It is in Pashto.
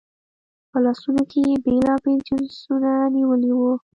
په لاسونو کې یې بېلابېل جنسونه نیولي وو.